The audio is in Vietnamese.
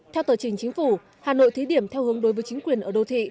theo tờ trình chính phủ hà nội thí điểm theo hướng đối với chính quyền ở đô thị